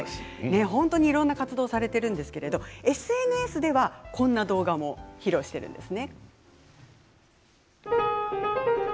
本当にいろんな活動をされているんですがＳＮＳではこんな動画も披露しているんです。